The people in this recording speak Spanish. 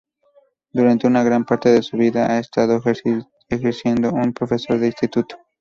Durante una gran parte de su vida ha estado ejerciendo como profesor de instituto.